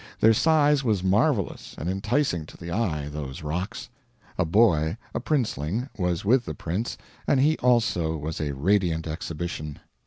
Their size was marvelous, and enticing to the eye, those rocks. A boy a princeling was with the prince, and he also was a radiant exhibition.